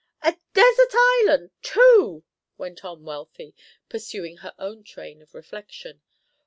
"A desert island, too!" went on Wealthy, pursuing her own train of reflection.